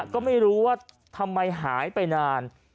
ก็ไม่รู้ว่าทำไมหายไปนาน